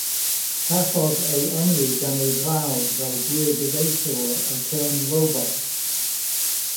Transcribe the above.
Cafodd ei enwi gan ei frawd fel gwir ddyfeisiwr y term "robot".